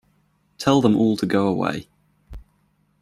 Tell them all to go away.